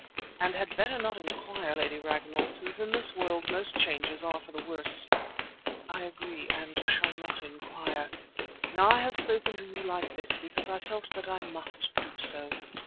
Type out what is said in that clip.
"And had better not inquire, Lady Ragnall, since in this world most changes are for the worse." "I agree, and shall not inquire. Now I have spoken to you like this because I felt that I must do so.